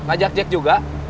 ajak jack juga